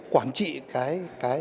quản trị cái